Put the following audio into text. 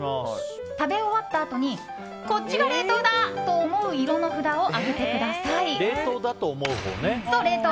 食べ終わったあとにこっちが冷凍だと思う色の札を冷凍だと思うほうね。